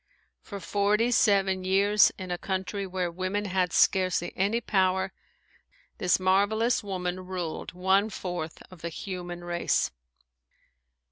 For forty seven years, in a country where women had scarcely any power, this marvelous woman ruled one fourth of the human race.